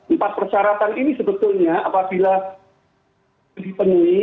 empat persyaratan ini sebetulnya apabila dipenuhi